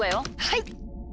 はい！